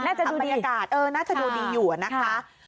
น่าจะดูดีปรับบรรยากาศน่าจะดูดีอยู่นะคะ